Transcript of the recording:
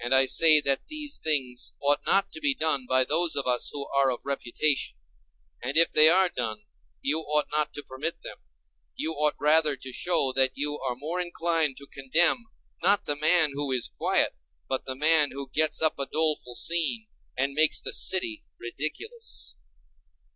And I say that these things ought not to be done by those of us who are of reputation; and if they are done, you ought not to permit them; you ought rather to show that you are more inclined to condemn, not the man who is quiet, but the man who gets up a doleful scene, and makes the city ridiculous.